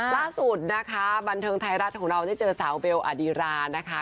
ล่าสุดนะคะบันเทิงไทยรัฐของเราได้เจอสาวเบลอดีรานะคะ